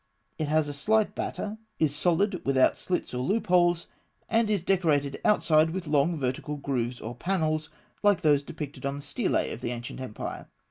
It has a slight batter; is solid, without slits or loopholes; and is decorated outside with long vertical grooves or panels, like those depicted on the stelae of the ancient empire.